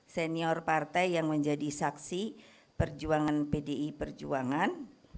senior partai yang menjadi saksi perjuangan pdi perjuangan